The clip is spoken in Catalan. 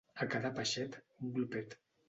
A cada peixet, un glopet.